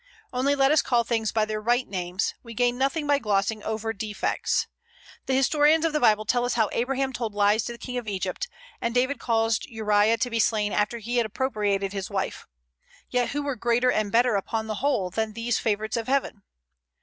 Only let us call things by their right names; we gain nothing by glossing over defects. The historians of the Bible tell us how Abraham told lies to the King of Egypt, and David caused Uriah to be slain after he had appropriated his wife. Yet who were greater and better, upon the whole, than these favorites of Heaven?